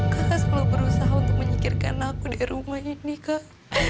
kakak selalu berusaha untuk menyikirkan aku di rumah ini kak